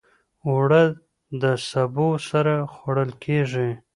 اوړه د سبو سره خوړل کېږي